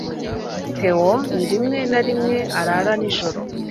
Theo rimwe na rimwe arara nijoro.